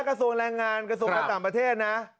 กระทรวงแรงงานกระทรวงการต่างประเทศนะ